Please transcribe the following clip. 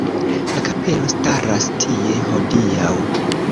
La kapelo staras tie hodiaŭ.